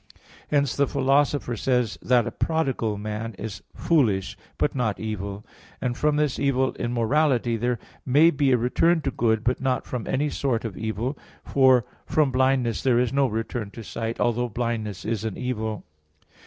Hence the Philosopher says (Ethic. iv, i) that a "prodigal man is foolish, but not evil." And from this evil in morality, there may be a return to good, but not from any sort of evil, for from blindness there is no return to sight, although blindness is an evil.